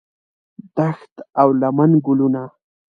دښت او لمن ګلونه